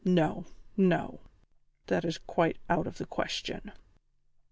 No, no; that is quite out of the question."